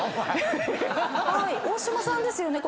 大島さんですよね。